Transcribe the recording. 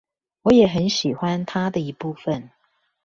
我也很喜歡他的一部分